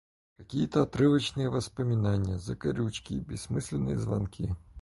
Какие-то отрывочные воспоминания, закорючки и бессмысленные звонки.